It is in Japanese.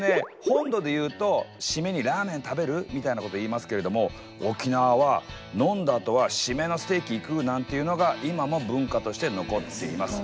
本土でいうと「締めにラーメン食べる？」みたいなこと言いますけれども沖縄は飲んだあとは締めのステーキ行くなんていうのが今も文化として残っています。